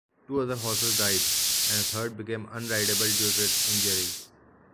Two other horses died, and a third became unrideable due to its injuries.